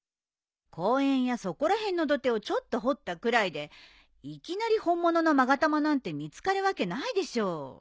公園やそこら辺の土手をちょっと掘ったくらいでいきなり本物の勾玉なんて見つかるわけないでしょ。